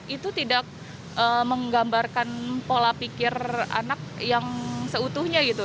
itu tidak menggambarkan pola pikir anak yang seutuhnya gitu